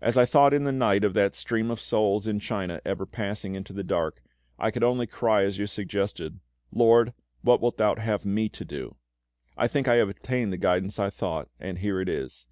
As I thought in the night of that stream of souls in China ever passing onward into the dark, I could only cry as you suggested, 'LORD, what wilt Thou have me to do?' I think I have obtained the guidance I sought, and here it is."